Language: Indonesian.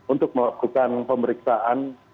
untuk melakukan pemeriksaan